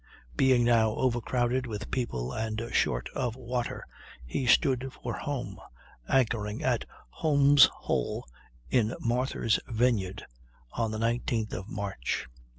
Being now overcrowded with people and short of water he stood for home, anchoring at Holmes' Hole in Martha's Vineyard on the 19th of March.